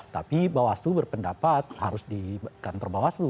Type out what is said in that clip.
tapi bawaslu berpendapat harus di kantor bawaslu